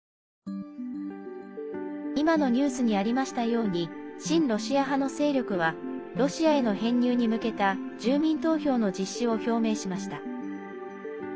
今のニュースにありましたように親ロシア派の勢力はロシアへの編入に向けた住民投票の実施を表明しました。